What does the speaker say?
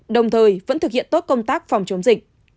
đồng thời vẫn thực hiện tốt công tác phòng chống dịch